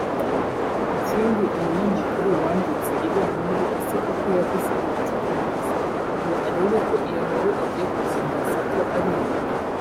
Ikindi umunyamakuru wanditse iriya nkuru ese koko yakoze ubucukumbuzi ngo arebe ko iyo nkuru agiye gutangaza ko ariyo